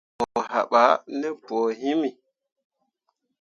Mo haɓah ne põo himi.